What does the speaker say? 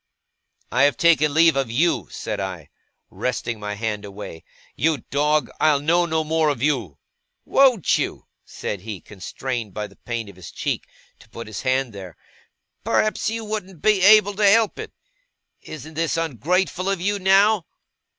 'I have taken leave of you,' said I, wresting my hand away. 'You dog, I'll know no more of you.' 'Won't you?' said he, constrained by the pain of his cheek to put his hand there. 'Perhaps you won't be able to help it. Isn't this ungrateful of you, now?